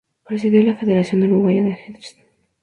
Presidió la Federación Uruguaya de Ajedrez.